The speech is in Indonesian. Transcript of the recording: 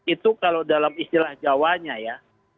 itu kalau dalam istilah jawanya ya